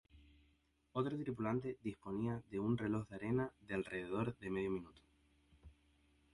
Otro tripulante disponía de un reloj de arena de alrededor de medio minuto.